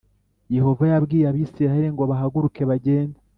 Yehova yabwiye Abisirayeli ngo bahaguruke bagende